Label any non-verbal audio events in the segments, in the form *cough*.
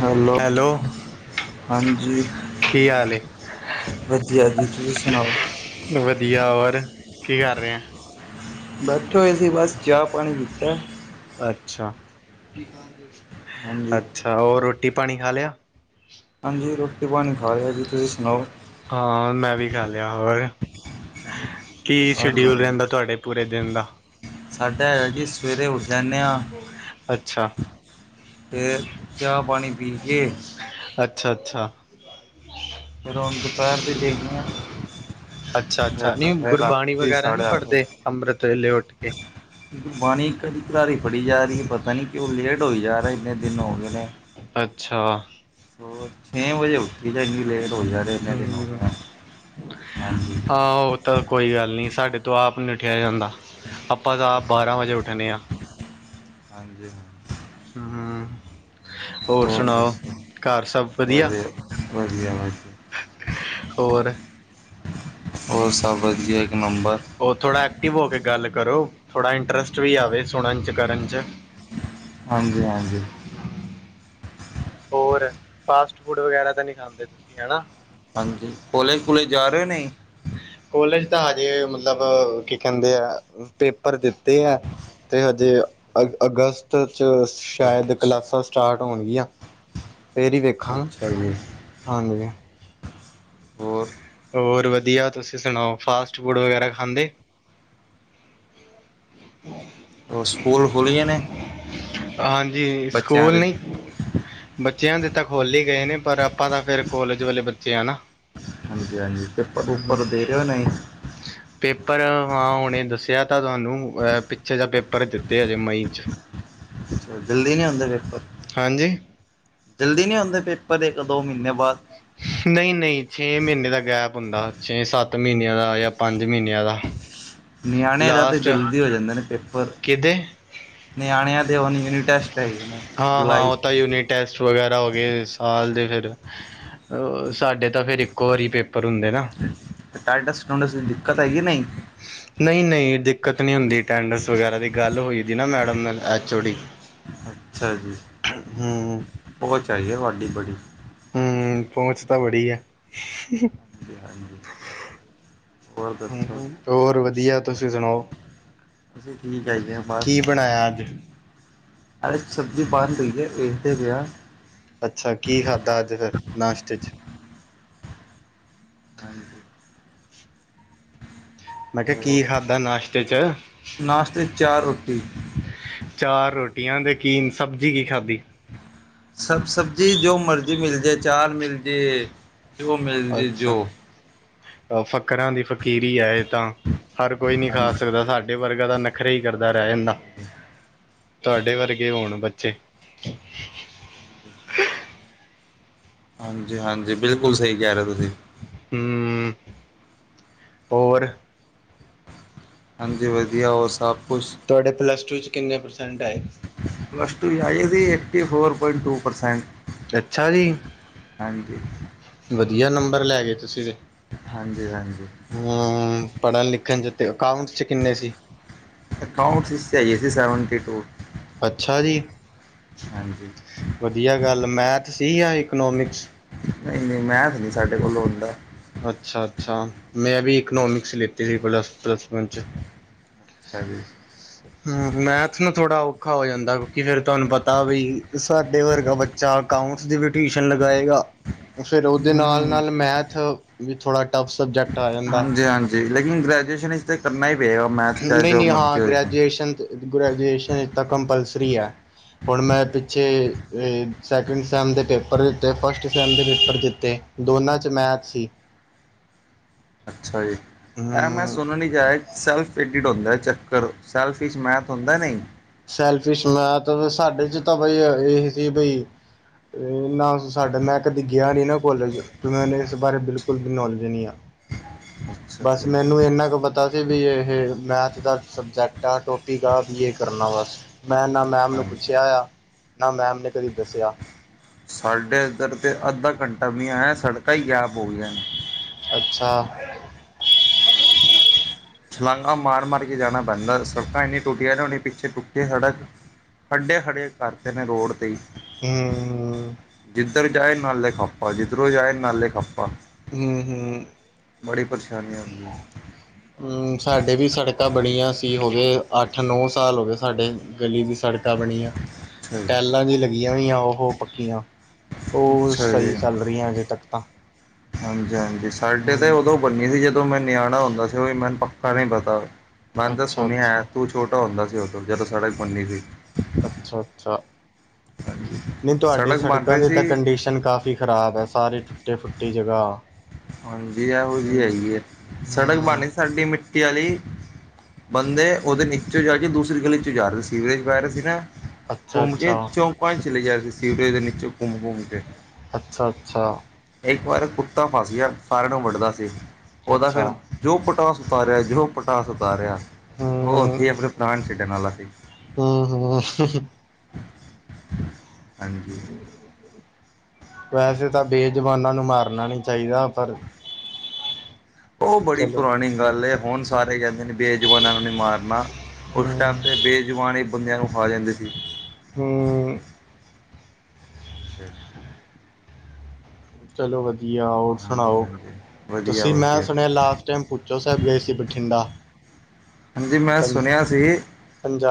Hello ਹਾਂਜੀ ਕੀ ਹਾਲ ਏ? ਵਧੀਆ ਜੀ ਤੁਸੀਂ ਸੁਣਾਓ ਵਧੀਆ ਹੋਰ ਕੀ ਕਰ ਰਹੇ ਆ ਬੈਠੇ ਹੋਏ ਸੀ ਬਸ ਚਾਹ ਪਾਣੀ ਪੀਤਾ ਅੱਛਾ ਹਾਂਜੀ ਅੱਛਾ ਹੋਰ ਰੋਟੀ ਪਾਣੀ ਖਾ ਲਿਆ ਹਾਂਜੀ ਰੋਟੀ ਪਾਣੀ ਖਾ ਲਿਆ ਜੀ ਤੁਸੀਂ ਸੁਣਾਓ ਹਾਂ ਮੈਂ ਵੀ ਖਾ ਲਿਆ ਹੋਰ ਕੀ ਔਰ ਸ਼ਡਿਊਲ ਵਧੀਆ ਰਹਿੰਦਾ ਤੁਹਾਡੇ ਪੂਰੇ ਦਿਨ ਦਾ ਸਾਡਾ ਹੈ ਜੀ ਸਵੇਰੇ ਉੱਠ ਜਾਂਦੇ ਹਾਂ ਅੱਛਾ। ਤੇ ਚਾਹ ਪਾਣੀ ਪੀ ਕੇ ਅੱਛਾ-ਅੱਛਾ। ਫਿਰ ਹੁਣ ਦੁਪਹਿਰ ਦੇਖਨੇ ਆ ਅੱਛਾ ਅੱਛਾ ਨਹੀ ਗੁਰਬਾਣੀ ਵਗੈਰਾ ਨੀ ਸਾਢੇ ਪੜਦੇ ਅੱਠ ਅੰਮ੍ਰਿਤ ਵੇਲੇ ਉੱਠ ਕੇ ਬਾਣੀ ਇਕ ਅੱਧੀ ਕਾਰੀ ਪੜੀ ਜਾ ਰੀ ਏ ਪਤਾ ਨੀ ਕਿਉ ਲੇਟ ਹੋਈ ਜਾ ਰਹਿ ਇੰਨੇ ਦਿਨ ਹੋ ਗਏ ਨੇ ਅੱਛਾ। ਹੋਰ ਛੇ ਵਜੇ ਉੱਠੀ ਦਾ ਇੰਨੀ ਲੇਟ ਹੋ ਜਾ ਰਹੇ ਇੰਨੇ ਹੂ,,, *inaudible* ਹਾਂ ਔਹ ਤਾਂ ਕੋਈ ਗੱਲ ਨੀ ਸਾਡੇ ਤੋਂ ਆਪ ਨਹੀਂ ਉਠਿਆ ਜਾਂਦਾ ਆਪਾਂ ਤਾਂ ਬਾਰਾਂ ਵਜੇ ਉੱਠਣੇ ਆ ਹਾਂਜੀ ਹੂ,,, ਹੋਰ ਸੁਣਾਓ ਘਰ ਸਭ ਵਧੀਆ ਵਧੀਆ ਵਧੀਆ ਹੋਰ ਹੋਰ ਸਭ ਵਧੀਆ ਇੱਕ ਨੰਬਰ ਉਹ ਥੋੜਾ ਐਕਟਿਵ ਹੋ ਕੇ ਗੱਲ ਕਰੋ ਥੋੜਾ ਇੰਟਰਸਟ ਵੀ ਆਵੇ ਸੁਣਨ ਚ ਕਰਨ ਚ ਹਾਂਜੀ, ਹਾਂਜੀ, ਹੋਰ ਫਾਸਟ ਫੂਡ ਵਗੈਰਾ, ਤਾਂ ਨੀ ਖਾਂਦੇ ਤੁਸੀਂ ਹਨਾ। ਹਾਂਜੀ, ਕੋਲੇਜ-ਕੂਲੇਜ ਜਾ ਰਹੇ ਨੇ, ਕੋਲੇਜ ਤਾਂ ਹਜੇ ਮਤਲਬ ਕੀ ਕਹਿੰਦੇ ਐ ਪੇਪਰ ਦਿੱਤੇ ਐ। ਤੇ ਹਜੇ ਅਗ ਅਗਸਤ ਚ ਸ਼ਾਇਦ ਅੱਛਾ ਕਲਾਸਾਂ ਸਟਾਰਟ ਹੋਣਗੀਆਂ, ਫੇਰ ਈ ਵੇਖ ਅੱਛਾ ਜੀ। ਹਾਂਜੀ, ਹੋਰ ਹੋਰ ਵਧੀਆ ਤੁਸੀਂ ਸੁਣਾਓ? ਫਾਸਟ ਫੂਡ ਵਗੈਰਾ ਖਾਂਦੇ। *inaudible* ਔਰ ਸਕੂਲ ਖੁਲ੍ਹ ਗਏ ਨੇ? ਹਾਂਜੀ ਬੱਚਿਆਂ ਸਕੂਲ ਦੇ ਨਹੀਂ ਬੱਚਿਆਂ ਦੇ ਤਾਂ ਖੁਲ੍ਹ ਈ ਗਏ ਨੇ, ਪਰ ਆਪਾਂ ਤਾਂ ਫੇਰ ਕੋਲਜ ਵਾਲੇ ਬੱਚੇ ਆਣਾ। ਹਾਂਜੀ-ਹਾਂਜੀ, ਪੇਪਰ-ਪੂਪਰ ਦੇ ਰਹੇ ਔ ਨਹੀਂ, ਪੇਪਰ ਹਾਂ ਹੁਣੇ ਦੱਸਿਆ। ਕਿਹਾ ਤਾਂ ਤੁਹਾਨੂੰ ਪਿੱਛੇ ਪੇਪਰ ਦਿੱਤੇ ਹਜੇ ਮਈ 'ਚ ਜਲਦੀ ਨੀ ਹੋਂਦੇ ਪੇਪਰ ਹਾਂਜੀ ਜਲਦੀ ਨੀ ਆਂਦੇ ਪੇਪਰ ਏਕ ਦੋ ਮਹੀਨੇ ਬਾਅਦ ਨਹੀਂ ਨਹੀਂ ਛੇ ਮਹੀਨੇ ਦਾ ਗੈਪ ਹੁੰਦਾ ਛੇ ਸੱਤ ਮਹੀਨਿਆਂ ਦਾ ਜਾਂ ਯਾ ਪੰਜ ਮਹੀਨਿਆਂ ਦਾ ਨਿਆਣਿਆਂ ਦਾ ਤੇ ਲਾਸਟ ਜਲਦੀ ਹੋ ਜਾਂਦੇ ਨੇ ਪੇਪਰ ਕਿਦੇ ਨਿਆਣਿਆ ਦੇ ਉਨ ਯੂਨਿਟੈਸਟ ਹੈਗੇ ਨੇ ਹਾਂ ਹਾਂ ਜੁਲਾਈ ਉਹ ਚ ਤਾਂ ਯੂਨਿਟ ਟੈਸਟ ਵਗੈਰਾ ਹੋ ਗਏ ਸਾਲ ਦੇ ਫਿਰ ਅ ਸਾਡੇ ਤਾਂ ਫਿਰ ਇੱਕੋ ਵਾਰੀ ਪੇਪਰ ਹੁੰਦੇ ਨਾ ਅਟੈਡਸ ਅੱਟੂਡਸ ਦਿੱਕਤ ਹੈਗੀ ਨਹੀਂ ਨਹੀ ਨਹੀਂ ਦਿੱਕਤ ਨੀ ਹੁੰਦੀ ਅਟੈਂਡਸ ਵਗੈਰਾ ਦੀ ਗੱਲ ਹੋਈ ਦੀ ਏ ਨਾ ਮੈਡਮ ਐਚ ਔਡੀ ਨਾਲ ਅੱਛਾ ਜੀ ਹੂੰ ਪੋਚ ਹੈਗੀ ਏ ਤੁਹਾਡੀ ਬੜੀ ਹਮ ਪਹੁੰਚ ਤਾਂ ਬੜੀ ਐ ਹਾਂਜੀ ਹਾਂਜੀ ਹੋਰ ਦੱਸੋ ਹੋਰ ਵਧੀਆ ਤੁਸੀਂ ਸੁਣਾਓ ਅਸੀਂ ਠੀਕ ਹੈਗੇ ਆ ਕੀ ਬਣਾਇਆ ਅੱਜ ਅਜੇ ਸਬਜ਼ੀ ਬਣ ਰਈ ਏ ਦੇਖਦੇ ਪਏ ਆਹ ਅੱਛਾ ਕੀ ਖਾਧਾ ਅਜ ਫਿਰ ਨਾਸ਼ਤੇ ਚ ਹਾਂਜੀ ਮੈਂ ਕਿਹਾ ਹੋਰ ਕੀ ਖਾਧਾ ਨਾਸ਼ਤੇ ਚ, ਨਾਸ਼ਤੇ ਚਾਰ ਰੋਟੀ ਚਾਰ ਰੋਟੀਆਂ, ਦੇ ਕੀ ਸਬਜ਼ੀ ਕੀ ਖਾਧੀ। ਸਬ ਸਬਜ਼ੀ ਜੋ ਮਰਜ਼ੀ ਮਿਲ ਜੇ, ਚਾਰ ਮਿਲ ਜਏ। ਅੱਛਾ, ਫਕਰਾਂ ਦੀ ਫਕੀਰੀ ਹੈ, ਇਹ ਤਾਂ। ਹਰ ਕੋਈ ਨਹੀਂ ਖਾ ਹਾਂਜੀ ਸਕਦਾ, ਸਾਡੇ ਵਰਗਾ ਤਾਂ ਨਖਰੇ ਹੀ ਕਰਦਾ ਰਹਿ ਹਾਂਜੀ ਜਾਂਦਾ। ਹਾਂਜੀ ਤੁਹਾਡੇ ਵਰਗੇ ਹੋਣ ਬੱਚੇ। ਹਾਂਜੀ-ਹਾਂਜੀ, ਬਿਲਕੁਲ ਸਹੀ ਕਹਿ ਰਹੇ ਹੋ ਤੁਸੀਂ। ਹੂੰ, ਹੋਰ। ਹਾਂਜੀ, ਵਧੀਆ ਹੋਰ, ਸਭ ਕੁਛ। ਤੁਹਾਡੇ ਪਲੱਸ ਟੂ ਚ ਕਿੰਨੇ ਪ੍ਰਸੈਂਟ ਆਏ। ਪਲੱਸ ਟੂ ਏਦੀ ਏ ਫੋਰ ਪਆਇੰਟ ਟੂ ਪਰਸੈਂਟ। ਅੱਛਾ ਜੀ, ਹਾਂਜੀ ਵਧੀਆ ਨੰਬਰ ਲੈ ਗਏ ਤੁਸੀਂ ਦੇ। ਹਾਂਜੀ-ਹਾਂਜੀ। ਹੂੰ ਪੜ੍ਹਨ ਲਿਖਣ 'ਚ ਅਤੇ ਅਕਾਊਂਟ ਕਿੰਨੇ ਸੀ। ਡਕਾਊਂਟ ਚ ਆਏ ਸੀ, ਸੈਵਨਟੀ ਟੂ। ਅੱਛਾ ਜੀ, ਹਾਂਜੀ ਵਧੀਆ ਗੱਲ ਮੈਥ ਸੀ ਆ ਇਕਨੋਮਿਕਸ। ਨਹੀਂ-ਨਹੀਂ, ਮੈਂ ਤੇ ਨਹੀਂ ਸਾਡੇ ਕੋਲ ਲੋਣ ਦਾ। ਅੱਛਾ-ਅੱਛਾ, ਮੈਂ ਵੀ ਇਕਨੋਮਿਕਸ ਲਿੱਤੀ ਸੀ, ਪਲਸ ਵੰਨ ਚ ਅੱਛਾ ਜੀ। *unintelligible* ਹੂੰ ਮੈਥ ਨੂੰ ਥੋੜ੍ਹਾ ਔਖਾ ਹੋ ਜਾਂਦਾ, ਕਿਉਂਕਿ ਫੇਰ ਤੁਹਾਨੂੰ ਪਤਾ ਬ ਵੀ ਸਾਡੇ ਵਰਗਾ ਬਾ ਚਾਰ ਅਕਾਊਂਟਸ ਦੀ ਵੀ ਟਿਊਸ਼ਨ ਲਗਾਏਗਾ। ਫਿਰ ਉਹਦੇ ਹੂੰ। ਨਾਲ-ਨਾਲ ਮੈਥ ਵੀ ਥੋੜ੍ਹਾ ਟਫ ਸਬਜੈਕਟ। ਆ। ਜਾਂਦਾ। ਦੇਖਲੇ ਗ੍ਰੈਜੂਏਸ਼ਨ ਇਸ ਤੇ ਕਰਨਾ ਹੀ ਪਏਗਾ, ਮੈਥ ਚਾਹ ਨਹੀਂ ਜੋ ਨਹੀਂ ਮਰਜ਼ੀ ਹਾਂ ਹੋਜੇ। ਗ੍ਰੈਜੂਏਸ਼ਨ ਗ੍ਰੈਜੂਏਸ਼ਨ ਕੰਪਲਸਰੀ ਹੈ। ਹੁਣ ਮੈਂ ਪਿੱਛੇ ਸੈਕਿੰਡ ਸੈਮ ਦੇ ਪੇਪਰ ਦਿੱਤੇ, ਫਸਟ ਸੈਮ ਦੇ ਪੇਪਰ ਦਿੰਤੇ। ਦੋਨਾਂ ਚ ਮੈਚ ਸੀ। ਅੱਛਾ ਜੀ, ਐ ਮੈਂ ਹਮ ਸੁਣ ਨੀ ਜਾਏ। ਸੈਲਫ ਐਡਿਟ ਹੁੰਦਾ, ਚੱਕਰ ਸੈਲਫ 'ਚ ਮੈਥ ਹੁੰਦਾ ਨਹੀਂ। ਸੈਲਫੀ ਮੈਥ ਸਾਡੇ ਚ ਤਾਂ ਬਈ ਇਹ ਸੀ ਬਈ। ਤੇ ਨਾ ਸਾਡਾ ਮੈਂ ਕਦੇ ਗਿਆ, ਨੀ ਨਾ ਕੋਲੇਜ ਤ ਮੈ ਇਸ ਬਾਰੇ ਬਿਲਕੁਲ ਵੀ ਨੌਲੇਜ ਨੀ ਆ। *unintelligible* ਬਸ ਜੀ ਮੈਨੂੰ ਇੰਨਾ ਕੁ ਪਤਾ ਸੀ, ਵੀ ਇਹ ਮੈਥ ਦਾ ਸਬਜੈਕਟ ਆ ਟੋਪਿਕ ਆ ਵੀ। ਕਰਨਾ ਬਸ, ਮੈਂ ਨਾ ਮੈਮ ਨੂੰ ਹਾਂ ਪੁੱਛਿਆ ਆ ਨਾ ਮੈਮ ਨੇ ਕਦੀ ਦੱਸਿਆ। ਸਾਡੇ ਇੱਧਰ ਤਾਂ ਅੱਧਾ ਘੰਟਾ ਵੀ ਆ ਸੜਕਾਂ ਹੀ ਗੈਪ ਹੋ ਗਈਆਂ ਨੇ। ਅੱਛਾ। *unintelligible* ਛਲਾਂਗਾ ਮਾਰ-ਮਾਰ ਕੇ, ਜਾਣਾ ਪੈਂਦਾ ਦੱਸੋ, ਸੜਕਾਂ ਇੰਨੀ ਟੁੱਟੀਆਂ ਨੇ ਉਹਨੀ ਪਿੱਛੇ ਟੁੱਟੀ ਸੜਕ ਖੱਡੇ ਖੜ੍ਹੇ ਕਰਤੇ ਨੇ, ਰੋਡ ਤੇ ਹੀ। ਹਮਮ। ਜਿੱਧਰ ਜਾਏ ਨਾਲੇ ਖੱਪਾ, ਜਿੱਧਰੋਂ ਜਾਏ ਨਾਲੇ ਖੱਪਾ। ਹਮ-ਹਮ। ਬੜੀ ਪ੍ਰੇਸ਼ਾਨੀ ਆਉੰਦੀ। ਹਮ ਸਾਡੇ ਵੀ ਸੜਕਾਂ ਬਣੀਆਂ ਸੀ, ਹੋ ਗਏ ਅੱਠ ਨੌ ਸਾਲ ਹੋ ਗਏ ਸਾਡੇ ਗਲੀ ਦੀ ਸੜਕਾਂ ਬਣੀਆਂ, ਅੱਛਾ ਜੀ। ਟਾਇਲਾਂ ਜਿਹੀ ਲੱਗੀਆਂ ਹੋਈਆਂ ਉਹ ਪੱਕੀਆਂ। ਉਹ ਅੱਛਾ, ਜੀ, ਸਹੀ ਚੱਲ ਰਹੀਆਂ ਅਜੇ ਤੱਕ ਤਾਂ ਹਾਂਜੀ-ਹਾਂਜੀ, ਸਾਡੇ ਤੇ ਹੂੰ ਉਦੋਂ। ਬਨੀ ਸੀ, ਜਦੋਂ ਮੈਂ ਨਿਆਣਾ ਹੁੰਦਾ ਸੀ, ਉਹ ਵੀ ਮੈਨੂੰ ਪੱਕਾ ਨਹੀਂ ਪਤਾ, ਮੈਨੂੰ ਤਾਂ ਅੱਛਾ ਸੁਣਿਆ ਹੈ ਅੱਛਾ। ਤੂੰ ਛੋਟ ਟਾ ਹੁੰਦਾ ਸੀ, ਉਦੋ, ਜਦੋਂ ਸੜਕ ਬਨੀ ਸੀ। ਅੱਛਾ-ਅੱਛਾ, ਨਹੀਂ ਤੁਹਾਡੇ, ਸੜਕ ਬਣ ਸੜਕਾਂ ਰਹੀ ਦੀ ਤਾਂ ਸੀ ਕੰਡੀਸ਼ਨ। ਕਾਫੀ ਖ਼ਰਾਬ ਹੈ, ਸਾਰੇ ਟੁੱਟੇ -ਫੁੱਟੀ ਜਗ੍ਹਾ। ਹਾਂਜੀ, ਐਹੋ ਜਿਹੀ ਹਮ ਹੈਗੀ ਹੈ, ਸੜਕ ਬਣ ਹਮ ਰਹੀ, ਸਾਡੀ ਮਿੱ ਟੀ, ਵਾਲੀ ਬੰਦੇ ਉਹਦੇ ਨਿੱਚੋਂ ਜਾ ਕੇ, ਦੂਸਰੀ ਗਲੀ ਚੋਂ ਜਾ ਰਹੇ, ਸੀਵਰੇਜ ਪੈ ਰਹੇ ਸੀ ਨਾ। ਅੱਛਾ ਘੁੰਮ ਕੇ ਅੱਛਾ ਚੌਂਕਾ ਚ ਚਲੇ ਜਾ ਰਹੇ ਸੀ, ਸੀਵਰੇਜ ਦੇ ਨੀਚੌਂ ਘੁੰਮ -ਘੁੰਮ ਕੇ। ਅੱਛਾ -ਅੱਛਾ। ਇੱਕ ਵਾਰ ਕੁੱਤਾ ਫਸ ਗਿਆ, ਸਾਰਿਆਂ ਨੂੰ ਵੱਢਦਾ ਸੀ, ਉਹਦਾ ਅੱਛਾ ਫਿਰ ਜੋ ਪਟਾਸ ਉਤਾਰਿਆ, ਜੋ ਪਟਾਸ ਉਤਾਰਿਆ ਉਹ ਹਮ ਉੱਥੇ ਹੀ ਆਪਣੇ ਪ੍ਰਾਣ ਛੱਡਣ ਵਾਲਾ ਸੀ। ਹਮ -ਹਮ। ਹਾਂਜੀ। ਵੈਸੇ ਤਾਂ, ਬੇਜ਼ੁਬਾਨਾਂ ਨੂੰ ਮਾਰਨਾ ਨਹੀਂ ਚਾਹੀਦਾ, ਪਰ ਉਹ ਬੜੀ ਚਲੋ ਪੁਰਾਣੀ ਗੱਲ ਏ, ਹੁਣ ਸਾਰੇ ਕਹਿੰਦੇ ਬੇਜ਼ੁਬਾਨਾਂ ਨੂੰ ਨੀ ਮਾਰਨਾ, ਉਸ ਟਾਈਮ ਹਮ ਤੇ ਬੇਜ਼ੁਬਾਨ ਹੀ ਬੰਦਿਆਂ ਨੂੰ ਖਾ ਜਾਂਦੇ ਸੀ। ਹਮ। *unintelligible* ਚਲੋ ਵਧੀਆ, ਹੋਰ ਹਾਂਜੀ ਸੁਣਾਓ, ਹਾਂਜੀ ਵਧੀਆ ਤੁਸੀਂ ਮੈਂ ਵਧੀਆ ਸੁਣਿਆ ਲਾਸਟ ਟਾਈਮ ਭੁੱਚੋ ਸਾਹਿਬ ਗਏ ਸੀ, ਬਠਿੰਡਾ। ਹਾਂਜੀ, ਮੈਂ ਪੰ ਸੁਣਿਆ ਸੀ,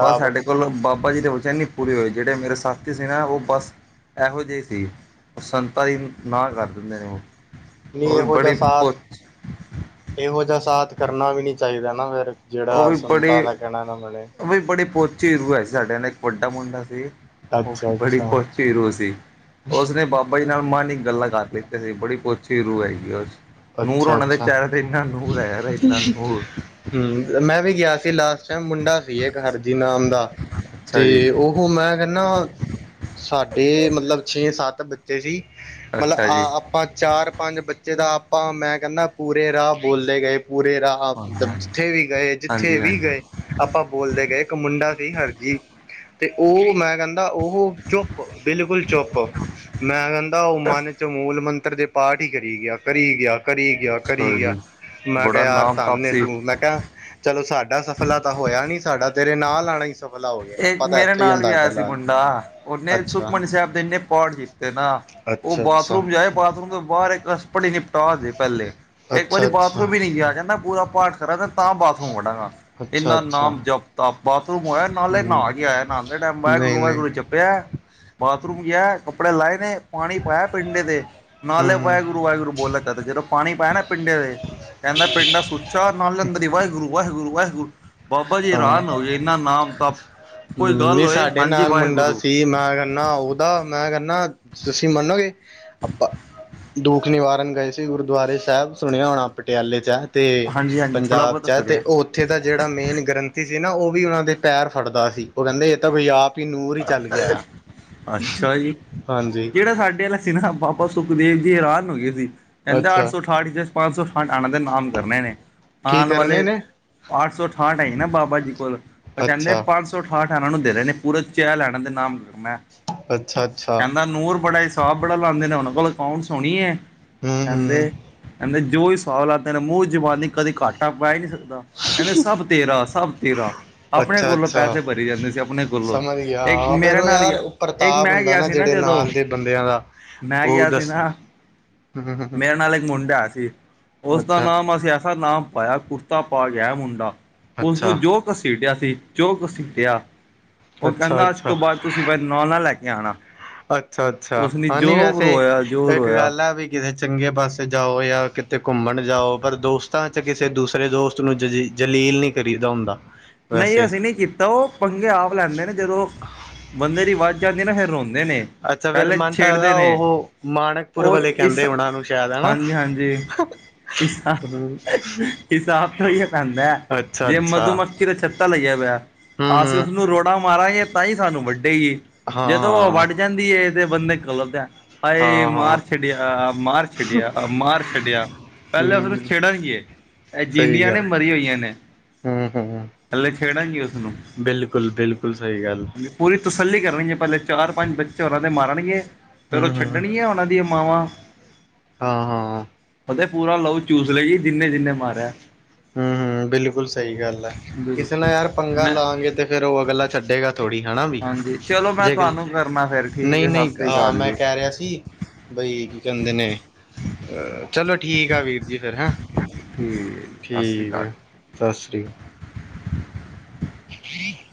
ਪਰ ਸਾਡੇ ਕੋਲੋਂ, ਬਾਬਾ ਜੀ ਦੇ ਬਚਨ ਨੀ ਪੂਰੇ ਹੋਏ, ਜਿਹੜੇ ਮੇਰੇ ਸਾਥੀ ਸੀ ਨਾ ਉਹ ਬਸ ਇਹੋ ਜਿਹੇ ਸੀ, ਸੰਤਾਂ ਦੀ ਨਾ ਕਰ ਦਿੰਦੇ ਨੇ ਉਹ। ਨਹੀਂ, ਉਹ ਵੀ ਇਹੋ ਜਿਹਾ ਬੜੇ ਸਾਥ, ਪੁੱਛ ਇਹੋ ਜਿਹਾ ਸਾਥ ਕਰਨਾ ਵੀ ਨੀ ਚਾਹੀਦਾ ਨਾ ਫੇਰ ਜਿਹੜਾ ਸੰਤਾਂ ਦਾ, ਕਹਿਣਾ ਨਾ ਮੰਨੇ। ਉਹ ਵੀ ਬੜੀ ਪਹੁੰਚੀ ਰੂਹ ਹੈ ਸੀ, ਸਾਡੇ ਨਾਲ ਇੱਕ ਵੱਡਾ ਮੁੰਡਾ ਸੀ। ਉਹ ਅੱਛਾ ਬੜੀ ਅੱਛਾ ਪਹੁੰਚੀ ਰੂਹ ਸੀ, ਉਸਨੇ ਬਾ ਬਾਈੀ ਨਾਲ ਮਨ ਇੱਕ ਗੱਲਾਂ ਕਰ ਲਿੱਤੀ ਸੀ ਬੜੀ ਪੁੱਛੀ ਰੂਹ ਹੈਗੀ ਉਹ ਚ ਨੂਰ ਅੱਛਾ ਉਹਨਾਂ ਦੇ ਅੱਛਾ ਚਿਹਰੇ, ਤੇ ਇੰਨਾ ਨੂਰ ਹੈ ਯਾਰ, ਇੰਨਾ ਨੂਰ ਹਮ, ਮੈਂ ਵੀ ਗਿਆ ਸੀ, ਲਾਸਟ ਟਾਈਮ ਮੁੰਡਾ ਸੀ, ਇੱਕ ਹਰਜੀ ਨਾਮ ਦਾ, ਤੇ ਅੱਛਾ ਜੀ ਉਹ ਮੈਂ ਕਹਿੰਦਾ, ਸਾਡੇ ਮਤਲਬ ਛੇ ਸੱਤ ਬੱਚੇ ਸੀ, ਮਤਲਬ ਅੱਛਾ ਆ ਜੀ ਆਪਾਂ ਚਾਰ, ਪੰਜ ਬੱਚੇ ਦਾ ਆਪਾਂ ਮੈਂ ਕਹਿੰਨਾ, ਪੂਰੇ ਰਾਹ ਬੋਲਦੇ ਗਏ, ਪੂਰੇ ਰਾਹ ਆਪ, ਹਾਂਜੀ ਮਤਲਬ ਜਿੱਥੇ ਵੀ ਗਏ, ਜਿੱਥੇ ਹਾਂਜੀ ਵੀ ਗਏ ਹਾਂਜੀ ਆਪਾਂ ਬੋਲਦੇ ਗਏ ਇੱਕ ਮੁੰਡਾ ਸੀ, ਹਰਜੀ, ਤੇ ਉਹ ਮੈਂ ਕਹਿੰਦਾ ਦਾ, ਉਹ ਚੁੱਪ, ਬਿਲਕੁਲ ਚੁੱਪ, ਮੈਂ ਕਹਿੰਦਾ ਉਹ ਮਨ ਚ ਮੂਲ ਮੰਤਰ ਮੰਤਰ, ਦੇ ਪਾਠ ਹੀ ਕਰੀ ਗਿਆ, ਕਰੀ ਗਿਆ, ਕਰੀ ਗਿਆ। ਕਰੀ ਗਿਆ, ਹਾਂਜੀ ਮੈਂ ਕਿਹਾ, ਬੜਾ ਯਾਰ ਨਾਮ ਧੰਨ ਹੈ ਤਾਪਸੀ ਤੂੰ ਮੈਂ ਕਿਹਾ ਚਲੋ, ਸਾਡਾ ਸਫਲਾ ਤਾਂ ਹੋਇਆ ਨੀ, ਸਾਡਾ ਤੇਰੇ ਨਾਲ ਆਉਣਾ ਈ ਇਕ ਮੇਰੇ ਨਾਲ ਵੀ ਆਇਆ ਸੀ ਲਿਆ ਮੁੰਡਾ, ਉਹਨੇ ਅੱਛਾ ਸੁਖਮਨੀ ਸਾਹਿਬ ਦੇ ਇੰਨੇ ਪਾਠ ਕੀਤੇ ਨਾ। ਓ ਅੱਛਾ ਅੱਛਾ ਬਾਥਰੂਮ ਜਾਏ ਬ ਬਾਥਰੂਮ ਤੋਂ ਬਾਹਰ ਇੱਕ ਅਸ ਭੜ੍ਹ ਨ ਪਹਿਲੇ ਇੱਕ ਅੱਛਾ ਵਾਰੀ ਅੱਛਾ ਬਾਥਰੂਮ ਵੀ ਨੀ ਗਿਆ। ਕੇਦਾਂ ਪੂਰਾ ਪਾਠ ਕਰ ਤਾਂ ਬਾਥਰੂਮ ਵਢਾਂਗਾ ਅੱਛਾ ਇੰਨਾ ਅੱਛਾ ਨਾਮ ਜਪ-ਤਪ ਬਾਥਰੂਮ ਹੋਇਆ ਹਮ ਨਾਂਅ ਕੇ ਆਇਆ ਨਾਂਦੇ ਦੇ ਟੈਮ ਨਹੀਂ ਨਹੀਂ ਵਾਹਿਗੁਰੂ-ਵਾਹਿਗੁਰੂ ਜੱਪਿਆ ਬਾਥਰੂਮ ਗਿਆ ਕੱਪੜੇ ਲਾਏ ਨੇ ਪਾਣੀ ਪਾਇਆ ਪਿੰਡੇ ਤੇ ਨਾਲੇ ਹਮ ਪਾਇਆ ਗੁਰੂ ਵਾਹਿਗੁਰੂ ਬੋਲਿਆ ਕਰਦੇ ਜਦੋਂ ਪਾਣੀ ਪਾਇਆ ਨਾ ਪਿੰਡੇ ਦੇ ਕਹਿੰਦਾ ਪਿੰਡਾਂ ਸੁੱਚਾ ਨਾਲ ਅੰਦਰ ਈ ਵਾਹਿਗੁਰੂ-ਵਾਹਿਗੁਰੂ-ਵਾਹਿਗੁਰੂ ਬਾਬਾ ਜੀ ਰਾਹ ਨੂੰ ਹੋ ਜ ਇਹਨਾ ਨਾਮ ਤਪ ਕੋਈ ਹੂੰ, ਗੱਲ ਨਈ ਹੋਏ ਸਾਡੇ ਹਾਂਜੀ ਨਾਲ ਮੁੰਡਾ ਵਾਹਿਗੁਰੂ ਸੀ ਮਾਂ ਨਾ ਓਦਾ ਮੈਂ ਕਹਿੰਦਾ ਤੁਸੀਂ ਮੰਨੋਗੇ ਆਪਾਂ ਦੁਖ ਨਿਵਾਰਨ ਗਏ ਸੀ ਗੁਰਦੁਆਰੇ ਸਾਹਿਬ ਸੁਣਿਆ ਹੋਣਾ ਪਟਿਆਲੇ ਚ ਅਤੇ ਹਾਂਜੀ ਹਾਂਜੀ ਥੋੜ੍ਹਾ ਪੰਜਾਬ ਬਹੁਤਾ 'ਚ ਹੈ ਅਤੇ ਸੁਣਿਆ ਉਹ ਉੱਥੇ ਦਾ ਜਿਹੜਾ ਮੇਨ ਗ੍ਰੰਥੀ ਸੀ ਨਾ, ਓ ਵੀ ਓਨਾਂ ਦੇ ਪੈਰ ਫੜਦਾ ਸੀ ਉਹ ਕਹਿੰਦੇ ਇਹ ਤਾਂ ਕੋਈ ਆਪ ਹੀ ਨੂਰ ਹੀ ਚੱਲ ਗਿਆ ਅੱਛਾ ਜੀ! ਹਾਂਜੀ ਜਿਹੜਾ ਸਾਡੇ ਸੀ ਨਾ ਬਾਬਾ ਸੁਖਦੇਵ ਜੀ ਹਰਾਨ ਹੋ ਗਏ ਸੀ ਕਹਿੰਦਾ ਅੱਠ ਅੱਛਾ ਸੌ ਅਠਾਹਠ ਚ ਪੰਜ ਸੌ ਫੰਡ ਆਣਾ ਦੇ ਨਾਮ ਕਰਨੇ ਨੇ ਕੀ ਆਣ ਕਰਨੇ ਵਾਲੇ ਨੇ ਅੱਠ ਸੌ ਅਠਾਹਠ ਆਈ ਨਾ ਬਾਬਾ ਜੀ। ਕੋਲ ਉਹਚਾਹਦੇ ਅੱਛਾ ਪੰਜ ਸੌ ਸੌ ਅਠਾਹਠ ਇਹਨਾਂ ਨੂੰ ਦੇ ਰਹੇ ਨੇ ਪੂਰਾ ਚੈਲ ਇਹਨਾਂ ਦੇ ਨਾਮ ਕਰਨਾ ਅੱਛਾ ਅੱਛਾ ਕਹਿੰਦਾ ਨੂਰ ਬੜਾ। ਤਾਲ ਬੜਾ ਲਾਉਂਦੇ ਨੇ ਉਹਨਾਂ ਕੋਲ ਅਕਾਊਂਟਸ ਹੋੋਣੀ ਹੈ ਹਮ ਹਮ ਕਹਿੰਦੇ। ਇਹਦੇ ਜੋ ਸਵਾਲ ਆ ਮੂੰਹ ਜਬਾਨੀ ਕਦੇ ਘਾਟਾ ਪੈ ਹੀ ਨਹੀਂ ਸਕ ਕਹਿੰਦੇ ਸਭ ਤੇਰਾ, ਸਭ ਤੇਰਾ। ਆਪਣੇ ਅੱਛਾ ਕੋਲੋਂ ਅੱਛਾ ਪੈਸੇ ਭਰੀ ਜਾਂਦੇ ਸੀ ਆਪਣੇ ਕੋਲੋਂ। ਸਮਝ ਗਿਆ ਇੱਕ ਹਾਂ ਫਿਰ ਮੇਰੇ ਉਹ ਨਾਲ, ਯਾਰ ਗਿਆ ਉਹ ਇੱਕ ਪ੍ਰਤਾਪ ਮੈਂ ਹੁੰਦਾ ਗਿਆ ਸੀ ਨਾ ਜਿਹੜੇ ਜਦੋਂ, ਨਾਲ ਦੇ ਬੰਦਿਆਂ ਦਾ ਮੈਂ ਉਹ ਗਿਆ ਸੀ ਦੱਸ ਨਾ ਹੂੰ, ਹੂੰ, ਮੇਰੇ ਹੂੰ। ਨਾਲ ਇੱਕ ਮੁੰਡਾ ਸੀ। ਉਸਦਾ ਅੱਛਾ ਨਾਮ ਅਸੀ ਆਸਾ ਨਾਮ ਪਾਇਆ ਕੁੜਤਾ ਪਾ ਗਿਆ। ਮੁੰਡਾ ਅੱਛਾ ਉਸਨੂੰ ਜੋ ਘਸੀਟਿਆ ਸੀ, ਜੋ ਘਸੀਟਿਆ ਉਹ ਅੱਛਾ ਕਹਿੰਦਾ ਉਸ ਤੋਂ ਬਾਅਦ ਤੁਸੀਂ ਫੇਰ ਨਾਲ ਨਾਲ ਲੈ ਕੇ ਆਣਾ। ਅੱਛਾ-ਅੱਛਾ ਹੈ ਨ ਵੈਸੇ, ਜੋ ਇੱਕ ਰੋਇਆ ਗੱਲ ਆ ਵੀ ਕਿਸਤੇ ਚੰਗੇ ਪਾਸੇ ਜਾਓ, ਜਾਂ ਕਿਤੇ ਘੁੰਮਣ ਜਾਓ, ਪਰ ਦੋਸਤਾਂ ਚ' ਕਿਸੇ ਦੂਸਰੇ ਦੋਸਤ ਉਸਨ ਜ, ਜਲੀਲ ਨੀ ਕਰੀਦਾ ਹੁੰਦਾ। ਨਈ ਵੈਸੇ ਅਸੀਂ ਨਹੀਂ ਕੀਤਾ। ਉਹ ਪੰਗੇ ਆਪ ਲੈਂਦੇ ਨੇ ਜਦੋਂ, ਬੰਦੇ ਦੀ ਵੱਜ ਜਾਂਦੀ ਨਾ ਫਿਰ ਰੋਂਦੇ ਨੇ। ਅੱਛਾ ਫਿਰ ਪਹਿਲੇ ਮਨ ਤਾਂ ਛੇੜਦੇ ਹੈਗਾ ਨੇ। ਉਹ ਮਾਣਕਪੁਰ ਉਹ ਵਾਲੇ ਇਸ ਕਹਿੰਦੇ ਉਹਨਾਂ ਨੂੰ ਸ਼ਾਇਦ ਹਨਾ ਹਾਂਜੀ-ਹਾਂਜੀ ਹੂੰ, ਹਿਸ-ਹਿਸਾਬ ਤਾਂ ਹੀ ਹੈ ਪੈਂਦਾ। ਅੱਛਾ ਜੇ ਅੱਛਾ ਮਧੂਮੱਖ ਦਾ ਛੱਤਾ ਲੱਗਿਆ ਪਿਆ। ਹੂੰ ਅਸੀਂ ਹੂੰ ਉਸਨੂੰ ਰੋੜਾ ਮਾਰਾਂਗੇ ਤਾਂ ਹੀ ਸਾਨੂੰ ਵਾਡੇ ਗੀ। ਹਾਂ ਜਦੋਂ ਉਹ ਹਾਂ ਵੱਢ ਜਾਂਦੀ ਤੇ ਬੰਦੇ ਕਲ ਹਾਏ ਹਾਂ ਹਾਂ ਮਾਰ ਛਡਿਆ, ਮਾਰ ਛੱਡਿਆ, ਮਾਰ ਛੱਡਿਆਂ। ਪਹਿਲਾਂ ਉਸਨੂੰ ਹੂੰ ਛੇੜਨਗੇ। ਜਿੰਂਦੀਆਂ ਨੇ ਮਰੀ ਹੋਈਆਂ ਨੇ। ਹੂੰ, ਹੂੰ ਪਹਿਲੇ ਛੇੜਨਗੇ ਉਸਨੂੰ ਬਿਲਕੁਲ- ਬਿਲਕੁਲ ਸਹੀ ਗੱਲ। ਹਾਂਜੀ ਪੂਰੀ ਤਸੱਲੀ ਕਰਨ ਗੇ। ਪਹਿਲੇ ਚਾਰ-ਪੰਜ ਬੱਚੇ ਓਨਾਂ ਦੇ ਮਾਰਨਗੇ, ਫੇਰ ਉਹ ਹੂੰ-ਹੂੰ ਛੱਡਣੀਆਂ ਉਹਨਾਂ ਦੀਆਂ ਮਾਵਾਂ। ਹਾਂ-ਹਾਂ। ਪਤਾ ਪੂਰਾ ਲਊ ਚੂਸ ਲੈ ਗੀ ਜਿੰਨੇ-ਜਿੰਨੇ ਮਾਰਿਆ। ਹੂੰ, ਹੂੰ ਬਿਲਕੁਲ ਸਹੀ ਗੱਲ ਆ। ਕਿਸੇ ਨਾਲ ਯਾਰ ਬਿਲਕੁਲ ਪੰਗਾ ਮੈਂ ਲਾਵਗੇ ਤੇ ਫੇਰ ਉਹ ਅਗਲਾ ਛੱਡੇਗਾ। ਥੋੜੀ ਹੈ ਵੀ। ਹਾਂਜੀ ਚਲੋ ਮੈਂ ਜੇ ਗੱਲ ਤੁਹਾਨੂੰ ਕਰਨਾ ਫਿਰ ਠੀਕ ਹੈ ਨਹੀਂ-ਨਹੀਂ ਸਤਿ ਸ਼੍ਰੀ ਆਹ ਅਕਾਲ ਮੈਂ ਜੀ ਕਹਿ ਰਿਹਾ ਸੀ ਬਈ ਕੀ ਕਹਿੰਦੇ ਨੇ। ਚਲੋ ਠੀਕ ਆ, ਵੀਰ ਜੀ ਫੇਰ ਹੈਂ। ਠੀਕ ਆ ਜੀ। ਠੀਕ ਹੈ। ਸਾਸਰੀ *inaudible*